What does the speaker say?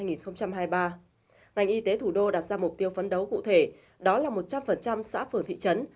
ngành y tế thủ đô đặt ra mục tiêu phấn đấu cụ thể đó là một trăm linh xã phường thị trấn